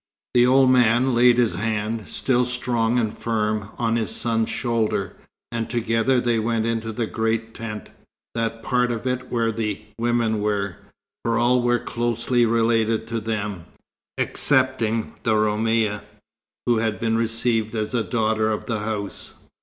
The old man laid his hand, still strong and firm, on his son's shoulder, and together they went into the great tent, that part of it where the women were, for all were closely related to them, excepting the Roumia, who had been received as a daughter of the house.